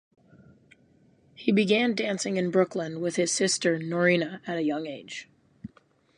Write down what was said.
He began dancing in Brooklyn with his sister Norina at a young age.